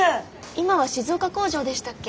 今は静岡工場でしたっけ？